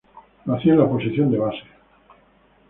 Lo hacía en la posición de base.